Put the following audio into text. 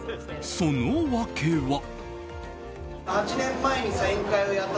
その訳は。